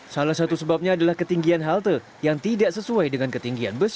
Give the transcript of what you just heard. salah satu sebabnya adalah ketinggian halte yang tidak sesuai dengan ketinggian bus